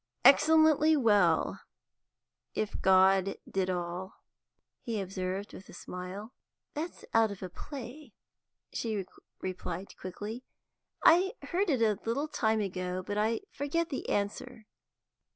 "Excellently well, if God did all," he observed, with a smile. "That's out of a play," she replied quickly. "I heard it a little time ago, but I forget the answer.